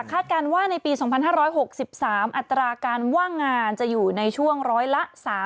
การว่าในปี๒๕๖๓อัตราการว่างงานจะอยู่ในช่วงร้อยละ๓๐